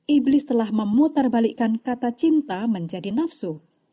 iblis telah memutarbalikan kata cinta menjadi nafsu